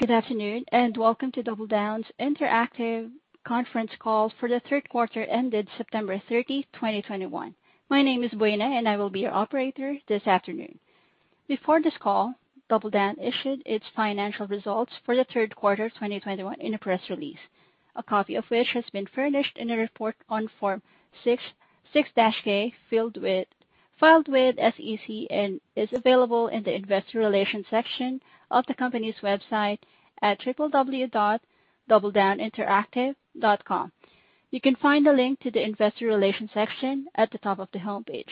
Good afternoon, and welcome to DoubleDown Interactive conference call for the third quarter ended September 30, 2021. My name is Buena, and I will be your operator this afternoon. Before this call, DoubleDown issued its financial results for the third quarter of 2021 in a press release, a copy of which has been furnished in a report on Form 6-K filed with SEC and is available in the investor relations section of the company's website at www.doubledowninteractive.com. You can find a link to the investor relations section at the top of the homepage.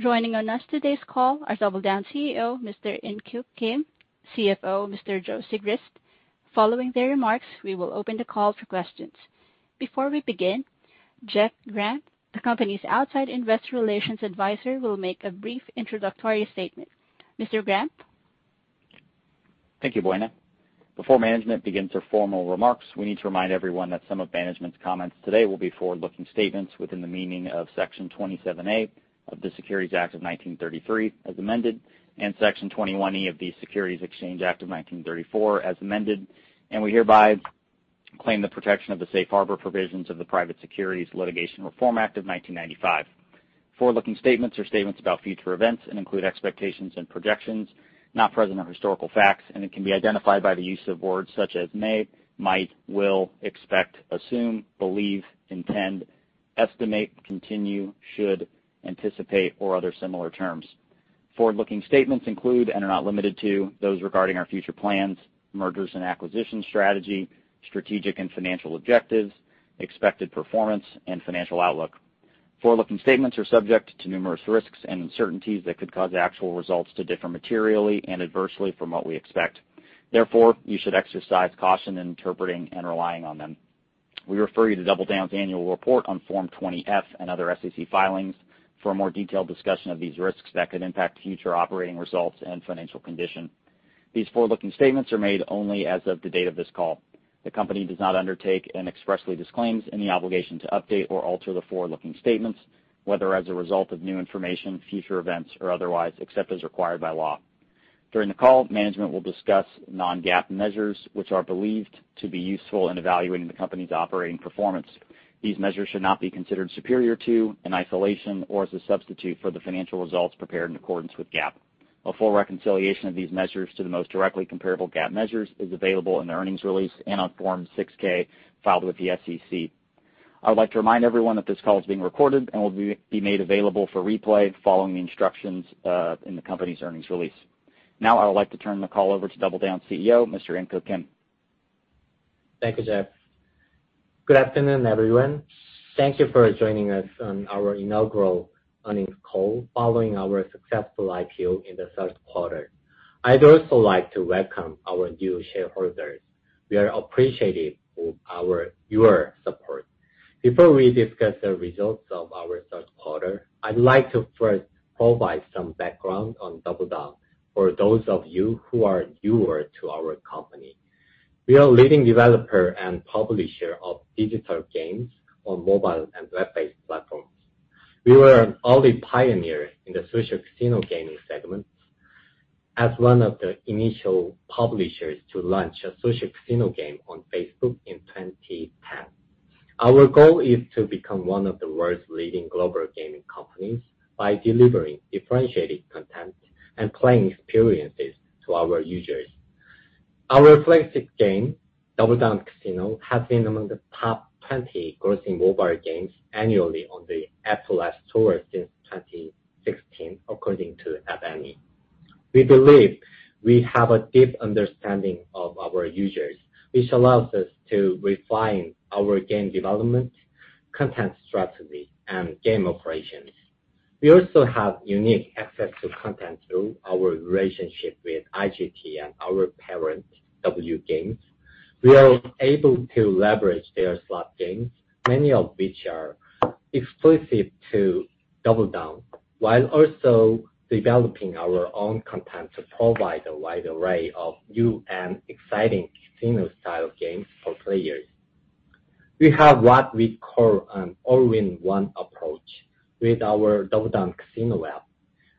Joining us on today's call are DoubleDown Chief Executive Officer, Mr. In Keuk Kim, Chief Financial Officer, Mr. Joe Sigrist. Following their remarks, we will open the call for questions. Before we begin, Jeff Grampp, the company's outside investor relations advisor, will make a brief introductory statement. Mr. Jeff Grampp? Thank you, Buena. Before management begins their formal remarks, we need to remind everyone that some of management's comments today will be forward-looking statements within the meaning of Section 27A of the Securities Act of 1933, as amended, and Section 21E of the Securities Exchange Act of 1934, as amended. We hereby claim the protection of the Safe Harbor Provisions of the Private Securities Litigation Reform Act of 1995. Forward-looking statements are statements about future events and include expectations and projections not present or historical facts, and it can be identified by the use of words such as may, might, will, expect, assume, believe, intend, estimate, continue, should, anticipate, or other similar terms. Forward-looking statements include, and are not limited to, those regarding our future plans, mergers and acquisition strategy, strategic and financial objectives, expected performance and financial outlook. Forward-looking statements are subject to numerous risks and uncertainties that could cause actual results to differ materially and adversely from what we expect. Therefore, you should exercise caution in interpreting and relying on them. We refer you to DoubleDown's annual report on Form 20-F and other SEC filings for a more detailed discussion of these risks that could impact future operating results and financial condition. These forward-looking statements are made only as of the date of this call. The company does not undertake and expressly disclaims any obligation to update or alter the forward-looking statements, whether as a result of new information, future events, or otherwise, except as required by law. During the call, management will discuss non-GAAP measures, which are believed to be useful in evaluating the company's operating performance. These measures should not be considered superior to, in isolation, or as a substitute for the financial results prepared in accordance with GAAP. A full reconciliation of these measures to the most directly comparable GAAP measures is available in the earnings release and on Form 6-K filed with the SEC. I would like to remind everyone that this call is being recorded and will be made available for replay following the instructions in the company's earnings release. Now, I would like to turn the call over to DoubleDown Chief Executive Officer, Mr. In Keuk Kim. Thank you, Jeff Grampp. Good afternoon, everyone. Thank you for joining us on our inaugural earnings call following our successful IPO in the third quarter. I'd also like to welcome our new shareholders. We are appreciative for your support. Before we discuss the results of our third quarter, I'd like to first provide some background on DoubleDown for those of you who are newer to our company. We are a leading developer and publisher of digital games on mobile and web-based platforms. We were an early pioneer in the social casino gaming segment as one of the initial publishers to launch a social casino game on Facebook in 2010. Our goal is to become one of the world's leading global gaming companies by delivering differentiated content and playing experiences to our users. Our flagship game, DoubleDown Casino, has been among the top 20 grossing mobile games annually on the App Store since 2016 according to App Annie. We believe we have a deep understanding of our users, which allows us to refine our game development, content strategy, and game operations. We also have unique access to content through our relationship with IGT and our parent, DoubleU Games. We are able to leverage their slot games, many of which are exclusive to DoubleDown, while also developing our own content to provide a wide array of new and exciting casino-style games for players. We have what we call an all-in-one approach with our DoubleDown Casino app.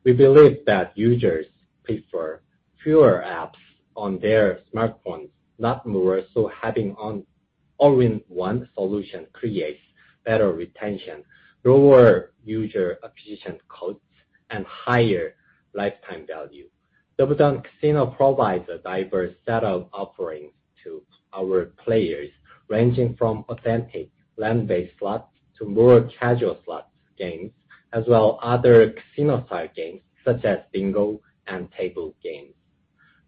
We believe that users prefer fewer apps on their smartphones, not more, so having an all-in-one solution creates better retention, lower user acquisition costs, and higher lifetime value. DoubleDown Casino provides a diverse set of offerings to our players, ranging from authentic land-based slots to more casual slots games, as well as other casino-style games such as bingo and table games.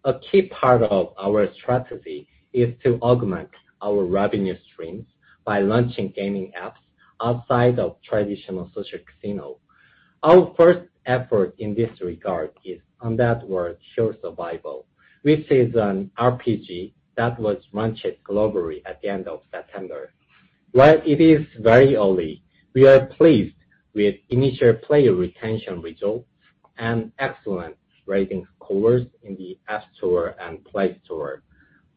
A key part of our strategy is to augment our revenue streams by launching gaming apps outside of traditional social casino. Our first effort in this regard is Undead World: Hero Survival, which is an RPG that was launched globally at the end of September. While it is very early, we are pleased with initial player retention results and excellent rating scores in the App Store and Play Store.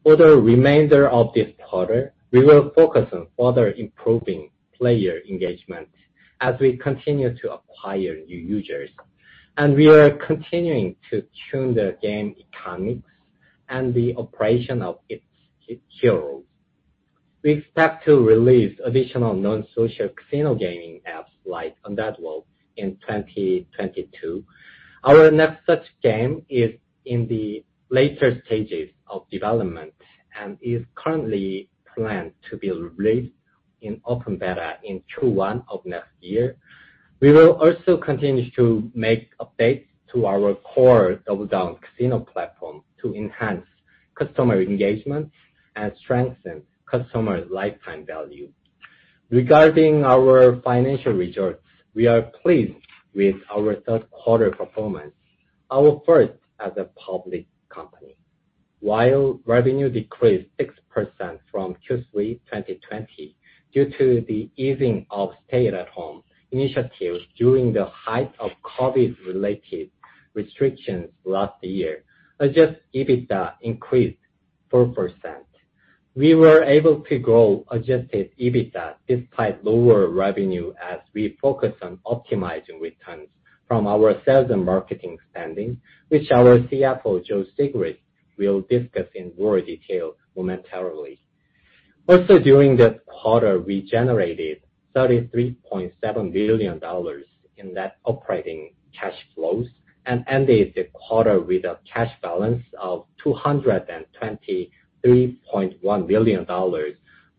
For the remainder of this quarter, we will focus on further improving player engagement as we continue to acquire new users, and we are continuing to tune the game economics and the operation of its heroes. We expect to release additional non-social casino gaming apps like Undead World in 2022. Our next such game is in the later stages of development and is currently planned to be released in open beta in Q1 of next year. We will also continue to make updates to our core DoubleDown Casino platform to enhance customer engagement and strengthen customer lifetime value. Regarding our financial results, we are pleased with our third quarter performance, our first as a public company. While revenue decreased 6% from Q3 2020 due to the easing of stay-at-home initiatives during the height of COVID-related restrictions last year, Adjusted EBITDA increased 4%. We were able to grow Adjusted EBITDA despite lower revenue as we focused on optimizing returns from our sales and marketing spending, which our Chief Financial Officer, Joe Sigrist, will discuss in more detail momentarily. Also, during the quarter, we generated $33.7 billion in net operating cash flows and ended the quarter with a cash balance of $223.1 billion,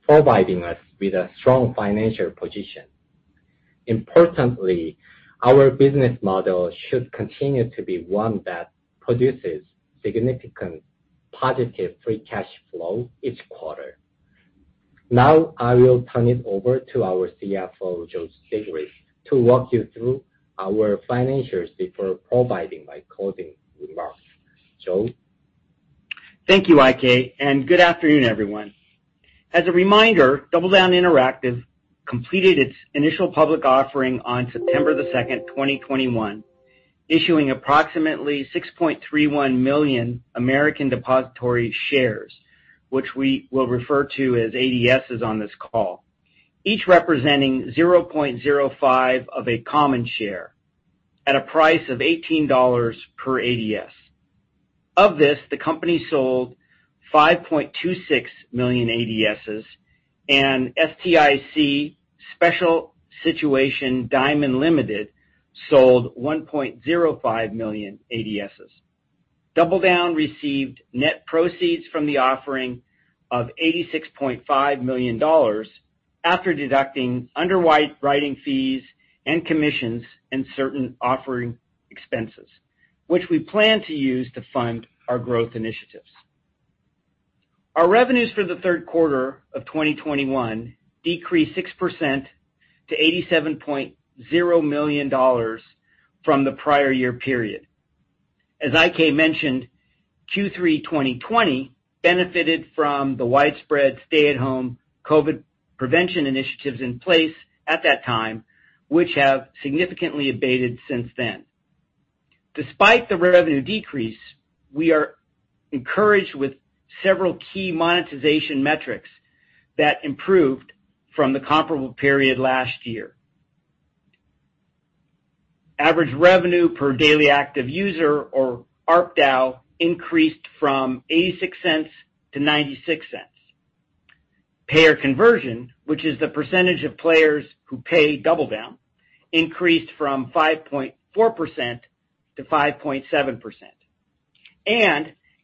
providing us with a strong financial position. Importantly, our business model should continue to be one that produces significant positive free cash flow each quarter. Now I will turn it over to our Chief Financial Officer, Joe Sigrist, to walk you through our financials before providing my closing remarks. Joe? Thank you, In Keuk Kim, and good afternoon, everyone. As a reminder, DoubleDown Interactive completed its initial public offering on September 2, 2021, issuing approximately 6.31 million American depository shares, which we will refer to as ADSs on this call, each representing 0.05 of a common share at a price of $18 per ADS. Of this, the company sold 5.26 million ADSs, and STIC Special Situation Diamond Limited sold 1.05 million ADSs. DoubleDown received net proceeds from the offering of $86.5 million after deducting underwriting fees and commissions and certain offering expenses, which we plan to use to fund our growth initiatives. Our revenues for the third quarter of 2021 decreased 6% to $87.0 million from the prior year period. As In Keuk Kim mentioned, Q3 2020 benefited from the widespread stay-at-home COVID prevention initiatives in place at that time, which have significantly abated since then. Despite the revenue decrease, we are encouraged with several key monetization metrics that improved from the comparable period last year. Average revenue per daily active user, or ARPDAU, increased from $0.86 to $0.96. Payer conversion, which is the percentage of players who pay DoubleDown, increased from 5.4% to 5.7%.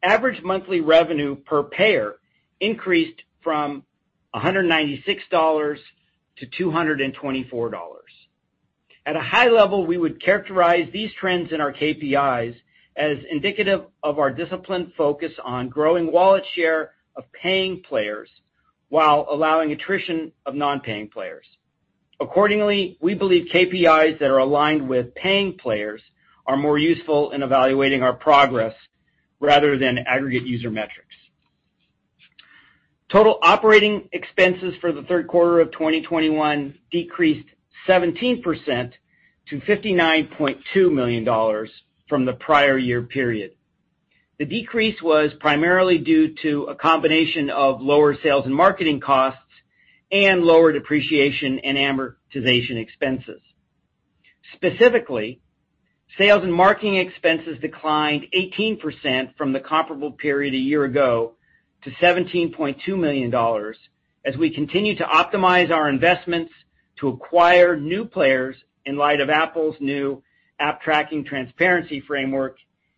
Average monthly revenue per payer increased from $196 to $224. At a high level, we would characterize these trends in our KPIs as indicative of our disciplined focus on growing wallet share of paying players while allowing attrition of non-paying players. Accordingly, we believe KPIs that are aligned with paying players are more useful in evaluating our progress rather than aggregate user metrics. Total operating expenses for the third quarter of 2021 decreased 17% to $59.2 million from the prior year period. The decrease was primarily due to a combination of lower sales and marketing costs and lower depreciation and amortization expenses. Specifically, sales and marketing expenses declined 18% from the comparable period a year ago to $17.2 million as we continue to optimize our investments to acquire new players in light of Apple's new App Tracking Transparency framework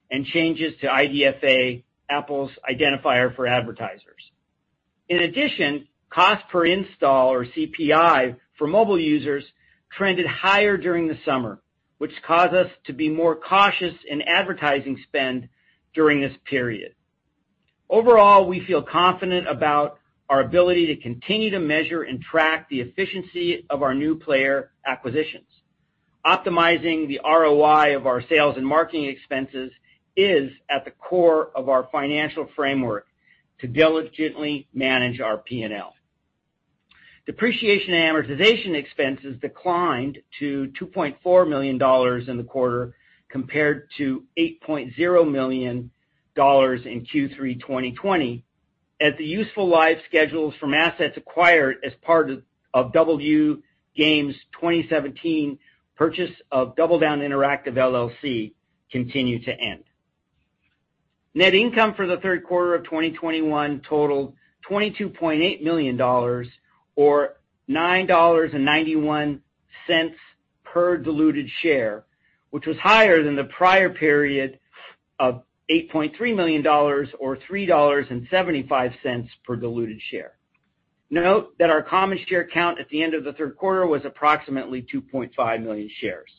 and changes to IDFA, Apple's identifier for advertisers. In addition, cost per install, or CPI, for mobile users trended higher during the summer, which caused us to be more cautious in advertising spend during this period. Overall, we feel confident about our ability to continue to measure and track the efficiency of our new player acquisitions. Optimizing the ROI of our sales and marketing expenses is at the core of our financial framework to diligently manage our P&L. Depreciation and amortization expenses declined to $2.4 million in the quarter compared to $8.0 million in Q3 2020 as the useful life schedules from assets acquired as part of DoubleU Games' 2017 purchase of DoubleDown Interactive LLC continue to end. Net income for the third quarter of 2021 totaled $22.8 million or $9.91 per diluted share, which was higher than the prior period of $8.3 million or $3.75 per diluted share. Note that our common share count at the end of the third quarter was approximately 2.5 million shares.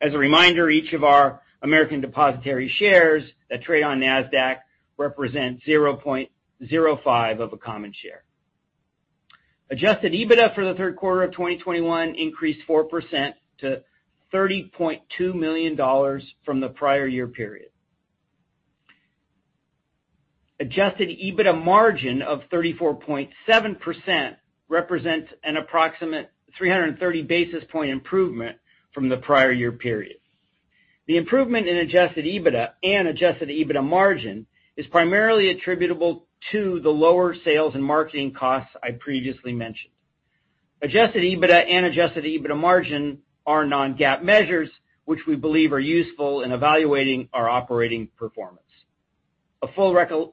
As a reminder, each of our American depositary shares that trade on Nasdaq represents 0.05 of a common share. Adjusted EBITDA for the third quarter of 2021 increased 4% to $30.2 million from the prior year period. Adjusted EBITDA margin of 34.7% represents an approximate 330 basis point improvement from the prior year period. The improvement in Adjusted EBITDA and Adjusted EBITDA margin is primarily attributable to the lower sales and marketing costs I previously mentioned. Adjusted EBITDA and Adjusted EBITDA margin are non-GAAP measures, which we believe are useful in evaluating our operating performance. A full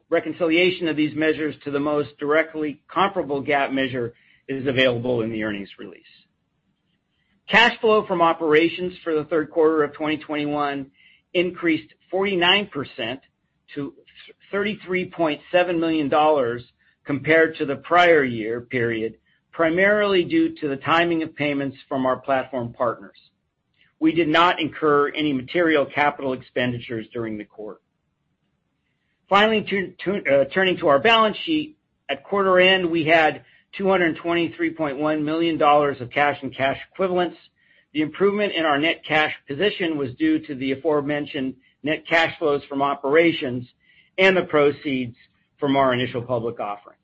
reconciliation of these measures to the most directly comparable GAAP measure is available in the earnings release. Cash flow from operations for the third quarter of 2021 increased 49% to $33.7 million compared to the prior year period, primarily due to the timing of payments from our platform partners. We did not incur any material capital expenditures during the quarter. Finally, turning to our balance sheet, at quarter end, we had $223.1 million of cash and cash equivalents. The improvement in our net cash position was due to the aforementioned net cash flows from operations and the proceeds from our initial public offering.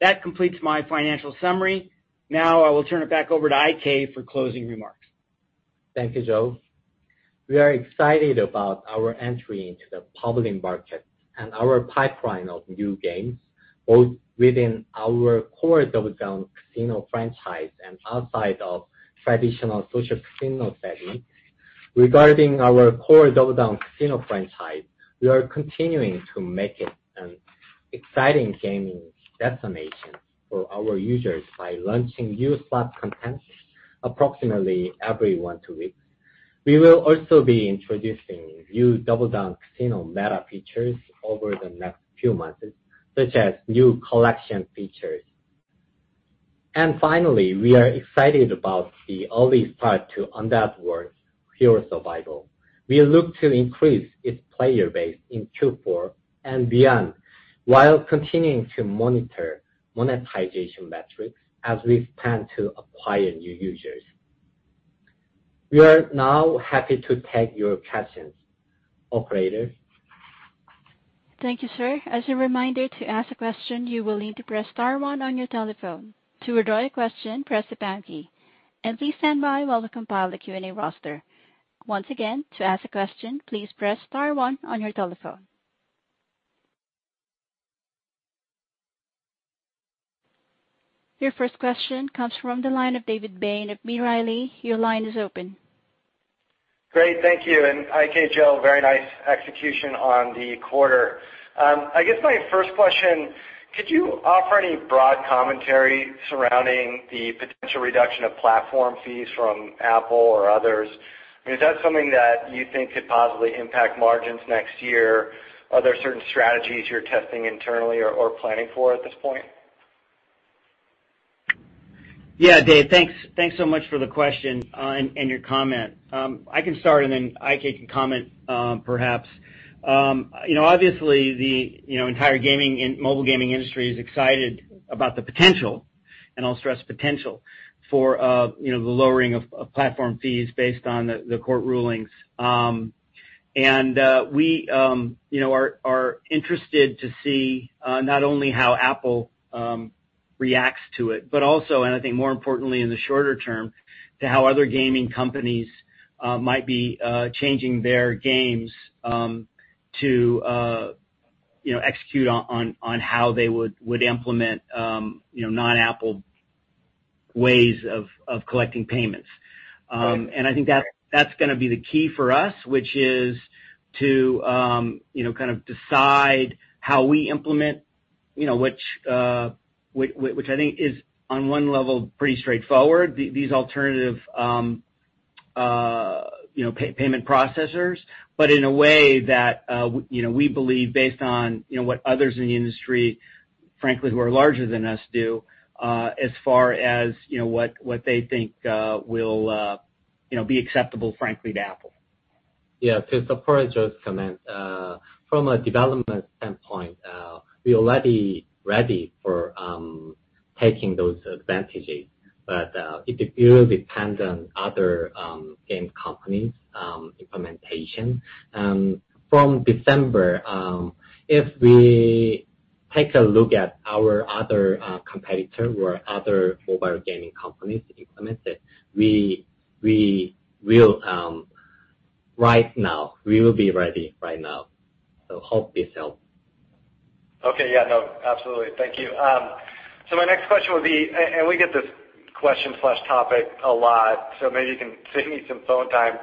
That completes my financial summary. Now I will turn it back over to In Keuk Kim for closing remarks. Thank you, Joe. We are excited about our entry into the public market and our pipeline of new games, both within our core DoubleDown Casino franchise and outside of traditional social casino segment. Regarding our core DoubleDown Casino franchise, we are continuing to make it an exciting gaming destination for our users by launching new slot content approximately every one to two weeks. We will also be introducing new DoubleDown Casino meta features over the next few months, such as new collection features. Finally, we are excited about the early start to Undead World: Hero Survival. We look to increase its player base in Q4 and beyond while continuing to monitor monetization metrics as we plan to acquire new users. We are now happy to take your questions. Operator? Thank you, sir. As a reminder, to ask a question, you will need to press star one on your telephone. To withdraw your question, press the pound key. Please stand by while we compile the Q&A roster. Once again, to ask a question, please press star one on your telephone. Your first question comes from the line of David Bain at B. Riley, your line is open. Great. Thank you. In Keuk Kim, Joe, very nice execution on the quarter. I guess my first question, could you offer any broad commentary surrounding the potential reduction of platform fees from Apple or others? I mean, is that something that you think could possibly impact margins next year? Are there certain strategies you're testing internally or planning for at this point? Yeah, David. Thanks so much for the question and your comment. I can start and then In Keuk Kim can comment, perhaps. You know, obviously the entire gaming and mobile gaming industry is excited about the potential, and I'll stress potential, for the lowering of platform fees based on the court rulings. We are interested to see not only how Apple reacts to it, but also, and I think more importantly in the shorter term, to how other gaming companies might be changing their games to execute on how they would implement non-Apple ways of collecting payments. I think that's gonna be the key for us, which is to you know kind of decide how we implement you know which I think is on one level pretty straightforward these alternative you know payment processors, but in a way that you know we believe based on you know what others in the industry frankly who are larger than us do as far as you know what they think will you know be acceptable frankly to Apple. Yeah. To support Joe's comment, from a development standpoint, we are already ready for taking those advantages. It will depend on other game companies' implementation. From December, if we take a look at our other competitors or other mobile gaming companies implementations, we will right now. We will be ready right now. I hope this helps. Okay. Yeah, no, absolutely. Thank you. My next question would be, we get this question/topic a lot, so maybe you can save me some phone time.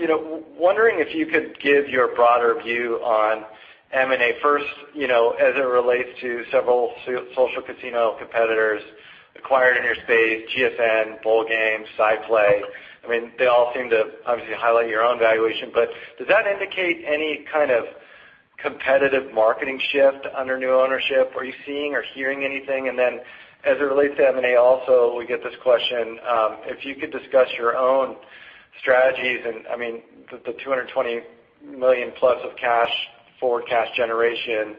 You know, wondering if you could give your broader view on M&A first, you know, as it relates to several social casino competitors acquired in your space, GSN Games, Bold Games, SciPlay. I mean, they all seem to obviously highlight your own valuation. Does that indicate any kind of competitive marketing shift under new ownership? Are you seeing or hearing anything? Then as it relates to M&A also, we get this question, if you could discuss your own strategies and, I mean, the $220 million plus of cash flow generation.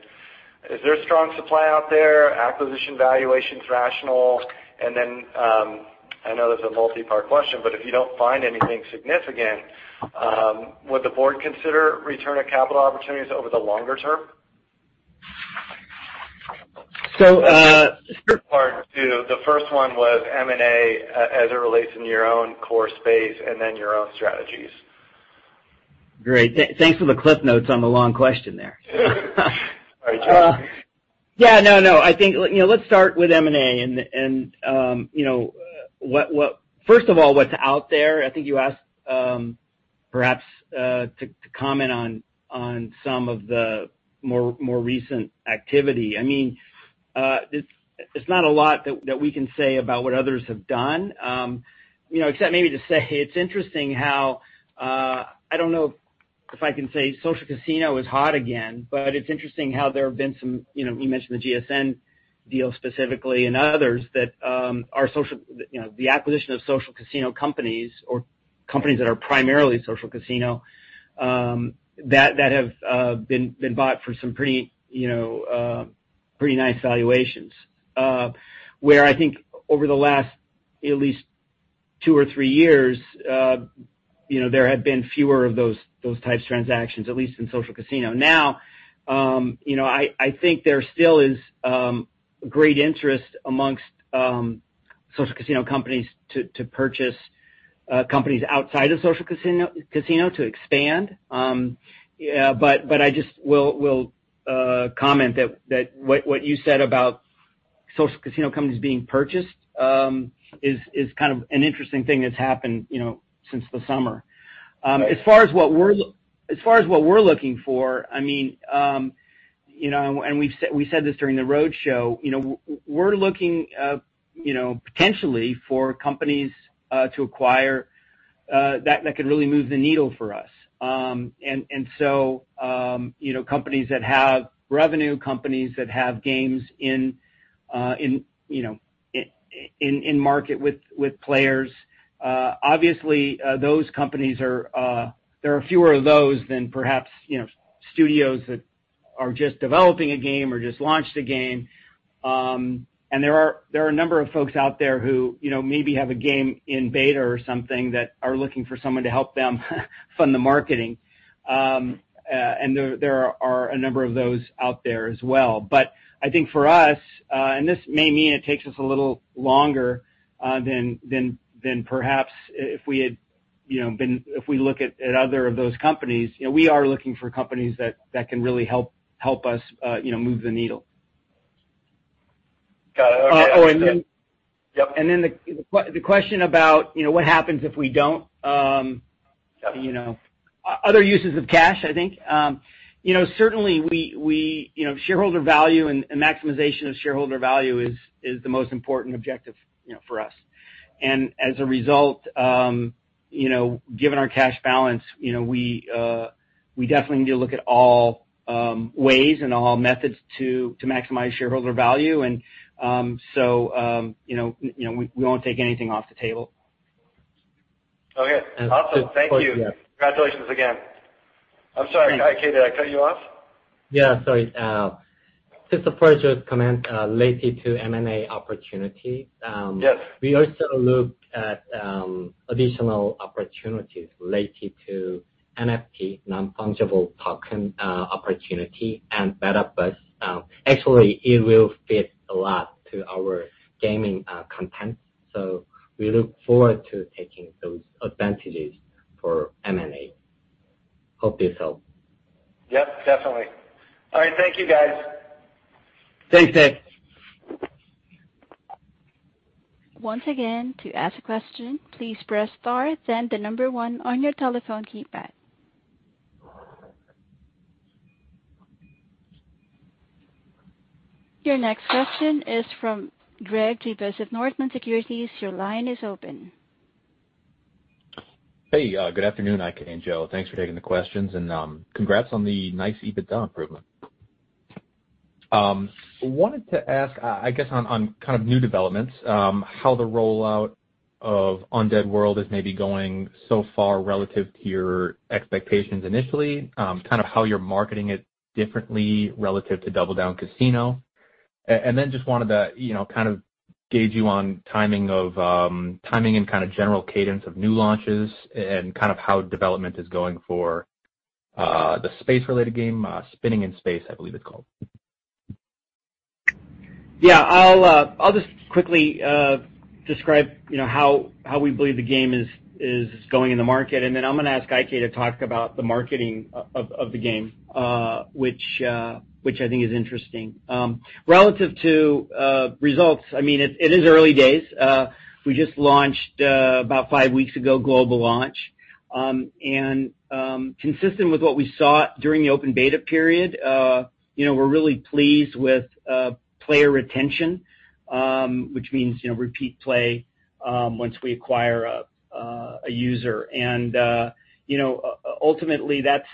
Is there a strong supply out there? Acquisition valuations rational? I know this is a multi-part question, but if you don't find anything significant, would the board consider return of capital opportunities over the longer term? So, uh- First part two. The first one was M&A as it relates in your own core space and then your own strategies. Great. Thanks for the cliff notes on the long question there. Sorry. Yeah, no. I think, you know, let's start with M&A and, you know, what. First of all, what's out there, I think you asked, perhaps, to comment on some of the more recent activity. I mean, it's not a lot that we can say about what others have done, you know, except maybe to say it's interesting how, I don't know if I can say social casino is hot again, but it's interesting how there have been some, you know, you mentioned the GSN deal specifically and others that are social. You know, the acquisition of social casino companies or companies that are primarily social casino, that have been bought for some pretty, you know, pretty nice valuations. Where I think over the last at least two or three years, you know, there had been fewer of those types of transactions, at least in social casino. Now, you know, I think there still is great interest among social casino companies to purchase companies outside of social casino to expand. I just will comment that what you said about social casino companies being purchased is kind of an interesting thing that's happened, you know, since the summer. As far as what we're looking for, I mean, you know, we've said this during the roadshow. You know, we're looking, you know, potentially for companies to acquire that could really move the needle for us. You know, companies that have revenue, companies that have games in you know, in market with players. Obviously, there are fewer of those than perhaps you know, studios that are just developing a game or just launched a game. There are a number of folks out there who you know, maybe have a game in beta or something that are looking for someone to help them fund the marketing. There are a number of those out there as well. I think for us, and this may mean it takes us a little longer than perhaps if we had you know, if we look at other of those companies. You know, we are looking for companies that can really help us, you know, move the needle. Got it. Okay. Oh. Yep. the question about, you know, what happens if we don't. Yep. You know. Other uses of cash, I think. You know, certainly we, you know, shareholder value and maximization of shareholder value is the most important objective, you know, for us. As a result, you know, given our cash balance, you know, we definitely need to look at all ways and all methods to maximize shareholder value. You know, we won't take anything off the table. Okay. Awesome. Of course, yeah. Thank you. Congratulations again. I'm sorry. In Keuk Kim, did I cut you off? Yeah, sorry. Just to further comment, related to M&A opportunity. Yes. We also look at additional opportunities related to NFT, non-fungible token, opportunity and metaverse. Actually, it will fit a lot to our gaming content. We look forward to taking those advantages for M&A. Hope this helps. Yep, definitely. All right. Thank you, guys. Thanks, David. Your next question is from Greg Gibas of Northland Securities, your line is open. Hey, good afternoon, In Keuk Kim and Joe. Thanks for taking the questions and, congrats on the nice EBITDA improvement. Wanted to ask, I guess on kind of new developments, how the rollout of Undead World is maybe going so far relative to your expectations initially. Kind of how you're marketing it differently relative to DoubleDown Casino. And then just wanted to, you know, kind of gauge you on timing and kind of general cadence of new launches and then kind of how development is going for the space-related game, Spinning in Space, I believe it's called. Yeah, I'll just quickly describe, you know, how we believe the game is going in the market, and then I'm gonna ask In Keuk Kim to talk about the marketing of the game, which I think is interesting. Relative to results, I mean, it is early days. We just launched about five weeks ago, global launch. Consistent with what we saw during the open beta period, you know, we're really pleased with player retention, which means, you know, repeat play once we acquire a user. Ultimately, that's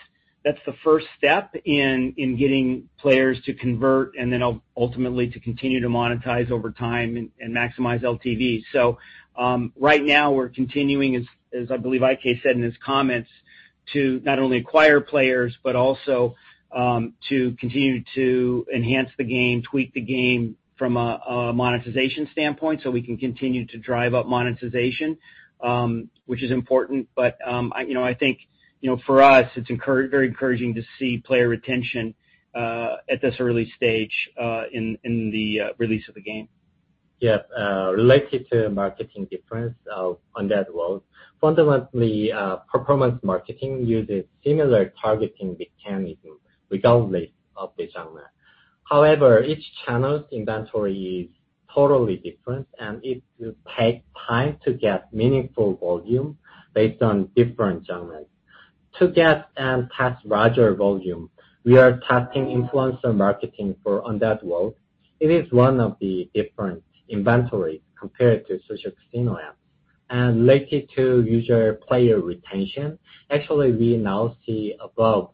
the first step in getting players to convert and then ultimately to continue to monetize over time and maximize LTVs. Right now we're continuing, as I believe In Keuk Kim said in his comments, to not only acquire players but also to continue to enhance the game, tweak the game from a monetization standpoint so we can continue to drive up monetization, which is important. I, you know, I think, you know, for us, it's very encouraging to see player retention at this early stage in the release of the game. Yeah, related to marketing difference of Undead World. Fundamentally, performance marketing uses similar targeting mechanism regardless of the genre. However, each channel's inventory is totally different, and it will take time to get meaningful volume based on different genres. To get and test larger volume, we are testing influencer marketing for Undead World. It is one of the different inventory compared to social casino app. Related to user player retention, actually we now see above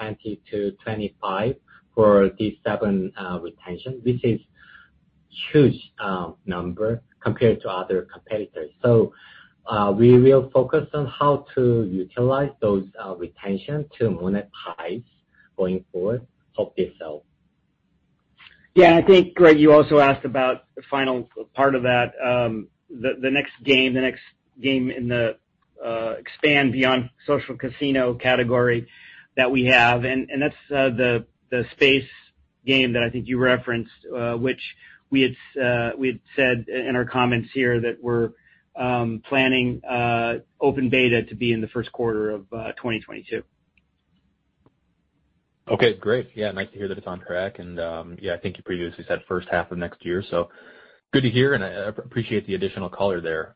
20%-25% for D7 retention, which is huge number compared to other competitors. We will focus on how to utilize those retention to monetize going forward. Hope this helps. I think, Greg, you also asked about the final part of that, the next game in the expanding beyond social casino category that we have. That's the space game that I think you referenced, which we had said in our comments here that we're planning open beta to be in the first quarter of 2022. Okay, great. Yeah, nice to hear that it's on track. Yeah, I think you previously said first half of next year, so good to hear, and I appreciate the additional color there.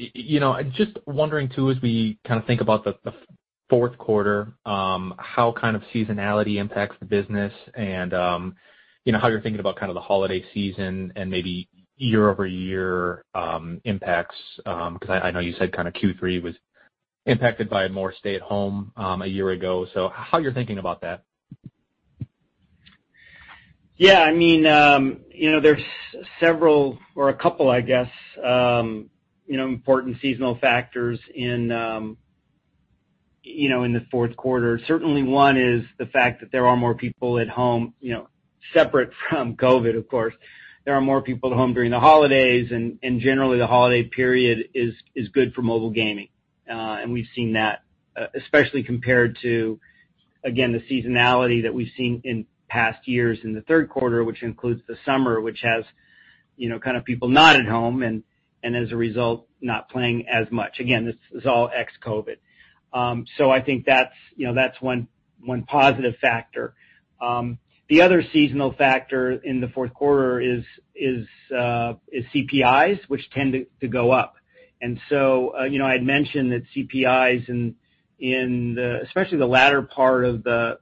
You know, just wondering too, as we kinda think about the fourth quarter, how kind of seasonality impacts the business and, you know, how you're thinking about kind of the holiday season and maybe year-over-year impacts, 'cause I know you said kinda Q3 was impacted by more stay at home, a year ago. How you're thinking about that? Yeah, I mean, you know, there's several or a couple, I guess, you know, important seasonal factors in, you know, in the fourth quarter. Certainly one is the fact that there are more people at home, you know, separate from COVID, of course. There are more people at home during the holidays and generally the holiday period is good for mobile gaming. We've seen that especially compared to, again, the seasonality that we've seen in past years in the third quarter, which includes the summer, which has, you know, kind of people not at home and as a result, not playing as much. Again, this is all ex-COVID. I think that's, you know, that's one positive factor. The other seasonal factor in the fourth quarter is CPIs, which tend to go up. You know, I'd mentioned that CPIs in the especially the latter part of the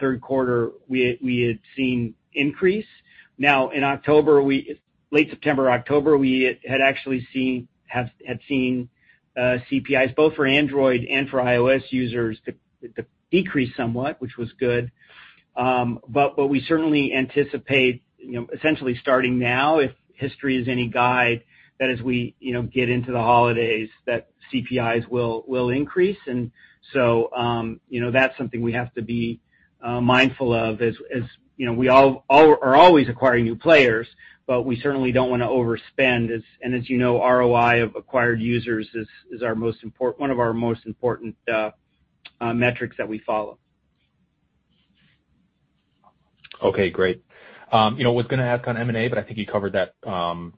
third quarter, we had seen increase. Now in October, late September, October, we had actually seen CPIs both for Android and for iOS users to decrease somewhat, which was good. But we certainly anticipate, you know, essentially starting now, if history is any guide, that as we, you know, get into the holidays, that CPIs will increase. That's something we have to be mindful of as, you know, we are always acquiring new players, but we certainly don't wanna overspend. As you know, ROI of acquired users is one of our most important metrics that we follow. Okay, great. You know, I was gonna ask on M&A, but I think you covered that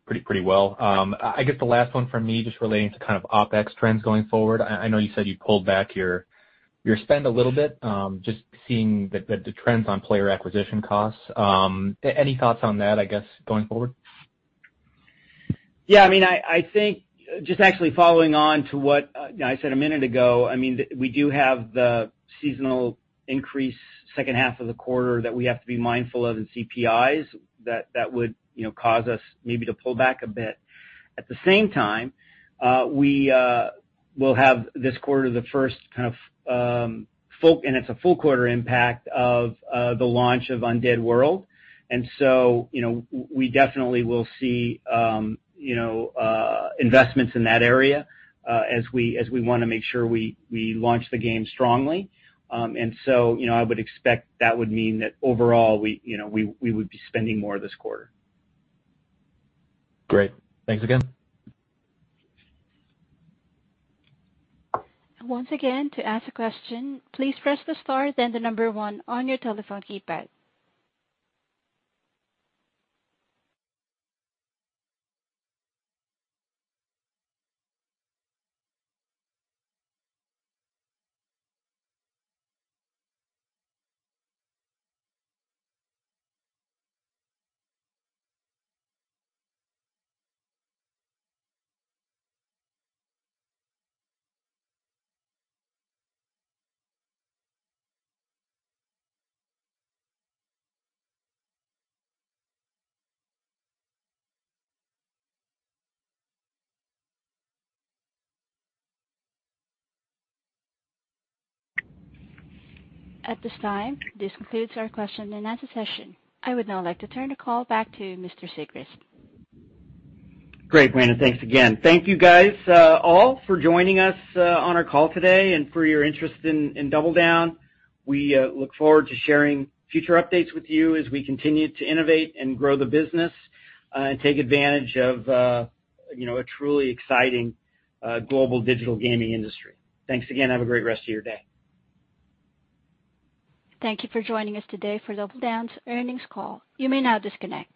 pretty well. I guess the last one from me just relating to kind of OpEx trends going forward. I know you said you pulled back your spend a little bit, just seeing the trends on player acquisition costs. Any thoughts on that, I guess, going forward? Yeah, I mean, I think just actually following on to what I said a minute ago, I mean, we do have the seasonal increase second half of the quarter that we have to be mindful of in CPIs that would, you know, cause us maybe to pull back a bit. At the same time, we will have this quarter the first kind of full quarter impact of the launch of Undead World. You know, we definitely will see, you know, investments in that area, as we wanna make sure we launch the game strongly. You know, I would expect that would mean that overall, you know, we would be spending more this quarter. Great. Thanks again. Once again, to ask a question, please press the star then the number one on your telephone keypad. At this time, this concludes our question and answer session. I would now like to turn the call back to Mr. Joe Sigrist. Great, Amanda. Thanks again. Thank you, guys, all for joining us on our call today and for your interest in DoubleDown. We look forward to sharing future updates with you as we continue to innovate and grow the business and take advantage of you know, a truly exciting global digital gaming industry. Thanks again. Have a great rest of your day. Thank you for joining us today for DoubleDown's earnings call, you may now disconnect.